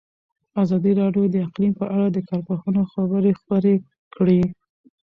ازادي راډیو د اقلیم په اړه د کارپوهانو خبرې خپرې کړي.